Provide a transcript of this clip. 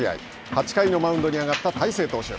８回のマウンドに上がった大勢投手。